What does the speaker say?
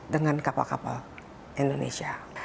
dengan kapal kapal indonesia